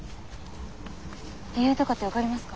理由とかって分かりますか？